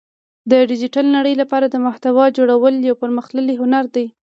د ډیجیټل نړۍ لپاره د محتوا جوړول یو پرمختللی هنر دی